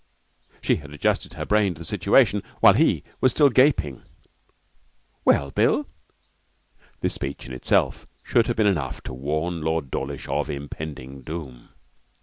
She had adjusted her brain to the situation while he was still gaping. 'Well, Bill?' This speech in itself should have been enough to warn Lord Dawlish of impending doom.